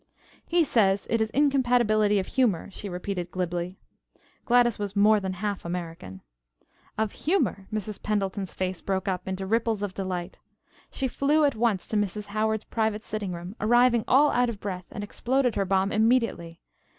"He says it is incompatibility of humor," she repeated glibly. Gladys was more than half American. "Of humor!" Mrs. Pendleton's face broke up into ripples of delight. She flew at once to Mrs. Howard's private sitting room, arriving all out of breath and exploded her bomb immediately.